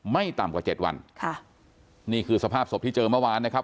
ไม่ต่ำกว่าเจ็ดวันค่ะนี่คือสภาพศพที่เจอเมื่อวานนะครับ